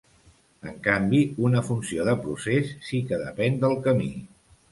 En canvi, una funció de procés sí que depèn del camí.